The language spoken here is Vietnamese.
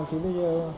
thì bây giờ